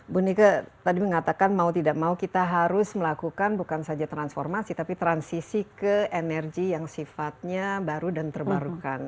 bu nika tadi mengatakan mau tidak mau kita harus melakukan bukan saja transformasi tapi transisi ke energi yang sifatnya baru dan terbarukan